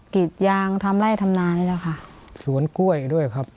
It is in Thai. กรีบยางทำไร้ทำนานสวนกล้วยด้วยครับ